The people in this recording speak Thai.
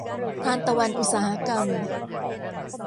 ทานตะวันอุตสาหกรรม